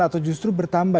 atau justru bertambah